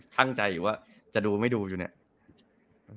ช่างใจอยู่ว่าจะดูไม่ดูอยู่เนี่ย